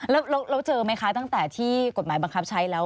แล้วเราเจอไหมคะตั้งแต่ที่กฎหมายบังคับใช้แล้ว